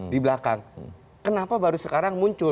di belakang kenapa baru sekarang muncul